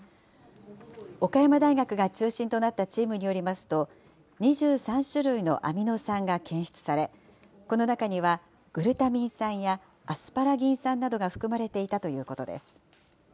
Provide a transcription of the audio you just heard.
岡山大学が中心となったチームによりますと、２３種類のアミノ酸が検出され、この中には、グルタミン酸やアスパラギン酸などが含まれていたということです。